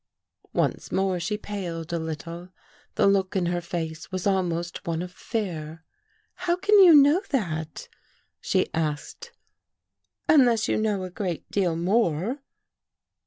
Once more she paled a little. The look in her face was almost one of fear. " How can you know that?" she asked, "unless you know a great deal more."